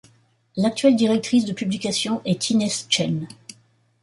L'actuelle directrice de publication est Ines Chen.